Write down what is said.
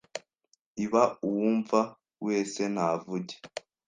Iba uwumva wese navuge